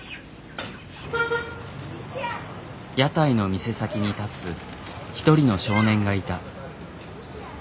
屋台の店先に立つ一人の少年がいた。